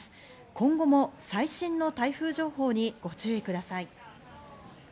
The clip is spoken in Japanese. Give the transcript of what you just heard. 今後も最新の台風情報にご注意ください。